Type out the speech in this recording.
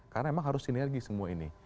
karena memang harus sinergi semua ini